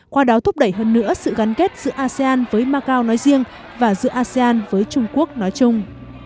qua đó thúc đẩy hơn nữa sự gắn kết giữa asean với macau nói riêng và giữa asean với trung quốc nói chung